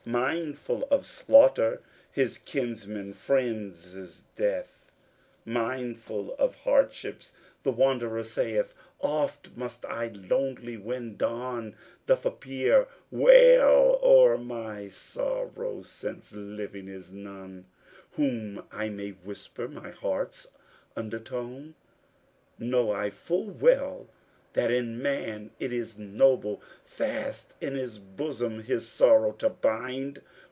Mindful of slaughter, his kinsman friends' death, Mindful of hardships, the wanderer saith: Oft must I lonely, when dawn doth appear, Wail o'er my sorrow since living is none Whom I may whisper my heart's undertone. Know I full well that in man it is noble Fast in his bosom his sorrow to bind.